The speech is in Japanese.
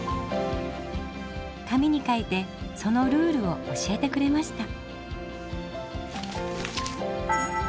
紙に書いてそのルールを教えてくれました。